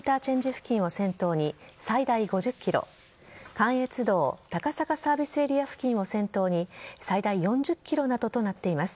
付近を先頭に最大５０ｋｍ関越道高坂サービスエリア付近を先頭に最大４０ｋｍなどとなっています。